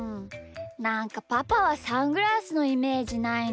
なんかパパはサングラスのイメージないんだよなあ。